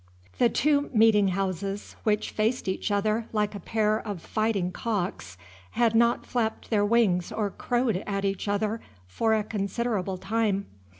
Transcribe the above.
The two meeting houses which faced each other like a pair of fighting cocks had not flapped their wings or crowed at each other for a considerable time.